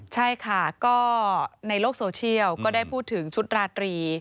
ใช่ค่ะก็ในโลกโซเชียลก็ได้พูดถึงชุดราตรี